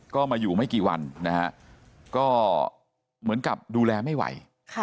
ก็มาอยู่ไม่กี่วันนะฮะก็เหมือนกับดูแลไม่ไหว